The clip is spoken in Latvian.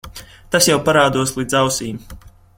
Tas jau parādos līdz ausīm.